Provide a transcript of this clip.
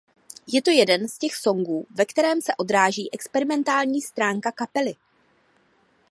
Je to jeden z těch songů ve kterém se odráží experimentální stránka kapely.